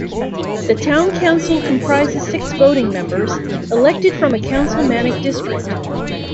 The Town Council comprises six voting members, elected from a councilmanic district.